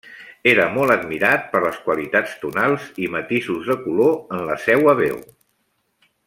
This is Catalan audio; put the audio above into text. Era molt admirat per les qualitats tonals i matisos de color en la seua veu.